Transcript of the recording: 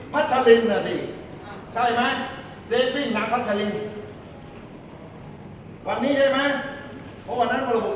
มัชรินฯน่ะสิใช่ไหมหลังมัชรินฯวันนี้ใช่ไหมเพราะวันนั้น